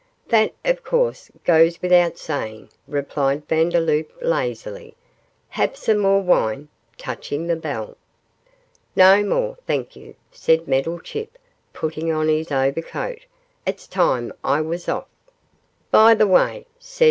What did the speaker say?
'That, of course, goes without saying,' replied Vandeloup, lazily. 'Have some more wine?' touching the bell. 'No more, thank you,' said Meddlechip, putting on his overcoat. 'It's time I was off.' 'By the way,' said M.